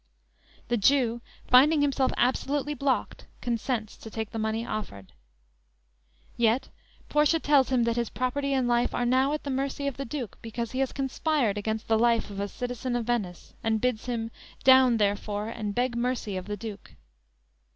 "_ The Jew finding himself absolutely blocked consents to take the money offered. Yet, Portia tells him that his property and life are now at the mercy of the Duke because he has conspired against the life of a citizen of Venice, and bids him: _"Down, therefore, and beg mercy of the Duke!"